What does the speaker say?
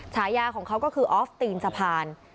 ฉายาของเขาก็คือออฟตีนสะพาน